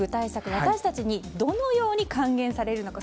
私たちにどのように還元されるのか。